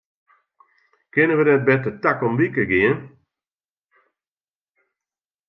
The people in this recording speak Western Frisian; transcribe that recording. Kinne wy net better takom wike gean?